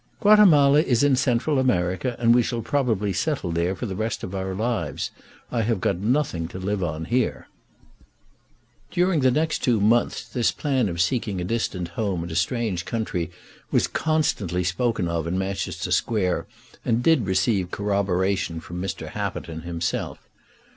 "Guatemala is in Central America, and we shall probably settle there for the rest of our lives. I have got nothing to live on here." During the next two months this plan of seeking a distant home and a strange country was constantly spoken of in Manchester Square, and did receive corroboration from Mr. Happerton himself.